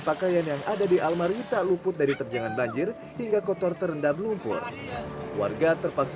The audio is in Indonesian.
pakaian yang ada di almarhum tak luput dari terjangan banjir hingga kotor terendam lumpur warga terpaksa